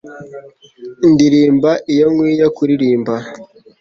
Ndirimba iyo nkwiye kuririmba